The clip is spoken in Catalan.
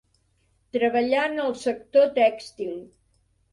Treballà en el sector tèxtil.